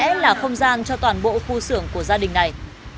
năm mươi m hai có lẽ là không gian cho toàn bộ khu xưởng của gia đình này